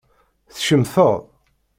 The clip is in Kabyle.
Tcemteḍ